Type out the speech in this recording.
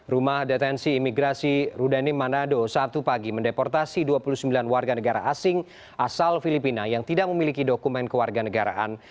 rumah detensi imigrasi rudanim manado sabtu pagi mendeportasi dua puluh sembilan warga negara asing asal filipina yang tidak memiliki dokumen kewarganegaraan